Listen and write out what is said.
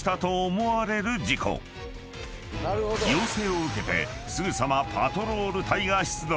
［要請を受けてすぐさまパトロール隊が出動］